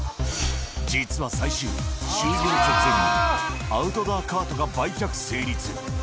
実は最終日、終了直前にアウトドアカートが売却成立。